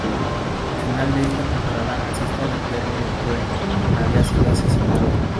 Al final de esta temporada, asiste al entierro de Prue, quien había sido asesinada.